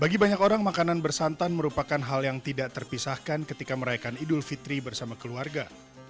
bagi banyak orang makanan bersantan merupakan hal yang tidak terpisahkan ketika merayakan idul fitri bersama keluarga